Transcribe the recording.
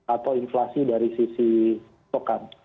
atau inflasi dari sisi stokan